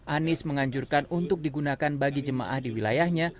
anies menganjurkan untuk digunakan bagi jemaah di wilayahnya